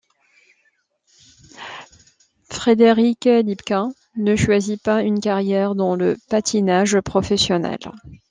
Frédéric Lipka ne choisit pas une carrière dans le patinage professionnel.